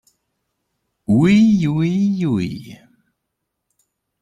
Ui ui ui!